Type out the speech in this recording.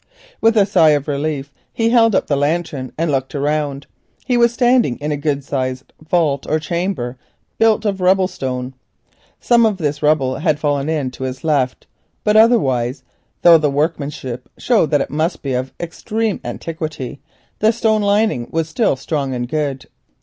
With a sigh of relief he held up the lantern and looked round. He was standing in a good sized vault or chamber, built of rubble stone. Some of this rubble had fallen in to his left; but otherwise, though the workmanship showed that it must be of extreme antiquity, the stone lining was still strong and good.